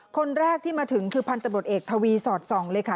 คนแรกที่มาถึงคือพันธบทเอกทวีสอดส่องเลยค่ะ